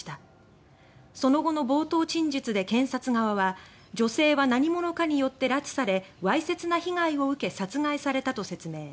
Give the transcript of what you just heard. その後の冒頭陳述で検察側は「女性は何者かによって拉致されわいせつな被害を受け殺害された」と説明。